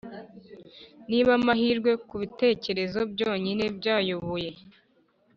niba amahirwe, kubitekerezo byonyine byayoboye,